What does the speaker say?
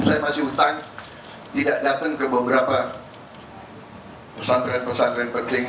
saya masih utang tidak datang ke beberapa pesantren pesantren penting